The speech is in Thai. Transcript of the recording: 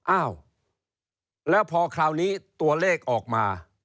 อ้าวแล้วพอคราวนี้ตัวเลขออกมา